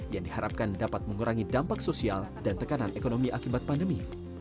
yang diharapkan dapat mengurangi dampak sosial dan tekanan ekonomi akibat pandemi